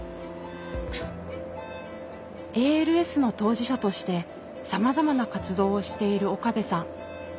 ＡＬＳの当事者としてさまざまな活動をしている岡部さん。